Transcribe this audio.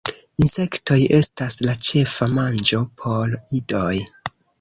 Insektoj estas la ĉefa manĝo por idoj.